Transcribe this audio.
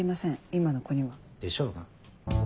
今の子には。でしょうな。